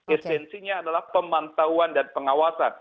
esensinya adalah pemantauan dan pengawasan